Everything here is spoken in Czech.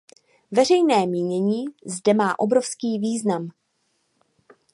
Veřejné mínění zde má obrovský význam.